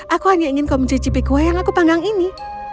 aku hanya ingin kau mencicipi kue yang aku panggang ini